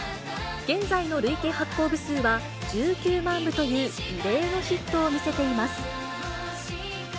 現在の累計発行部数は１９万部という、異例のヒットを見せています。